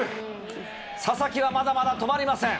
佐々木はまだまだ止まりません。